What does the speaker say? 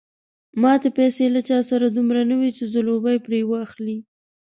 ماتې پیسې له چا سره دومره نه وې چې ځلوبۍ پرې واخلي.